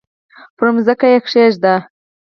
پر مځکه یې کښېږده!